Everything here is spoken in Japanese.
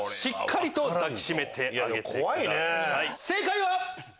正解は。